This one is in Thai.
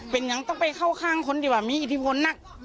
เป็นอย่างต้องไปเข้าข้างคนที่มีอิทธิพลน่ะ